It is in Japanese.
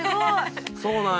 そうなんや。